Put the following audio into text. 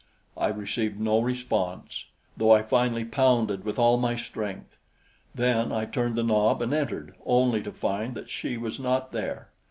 I received no response, though I finally pounded with all my strength; then I turned the knob and entered, only to find that she was not there.